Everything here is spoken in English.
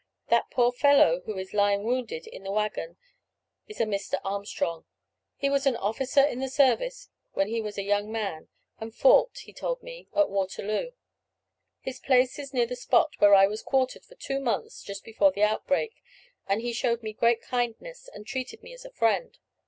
That poor fellow who is lying wounded in the waggon is a Mr. Armstrong. He was an officer in the service when he was a young man, and fought, he told me, at Waterloo. His place is near the spot where I was quartered for two months just before the outbreak, and he showed me great kindness, and treated me as a friend.